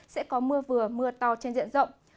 sẽ có mưa vừa mưa to trên diện rộng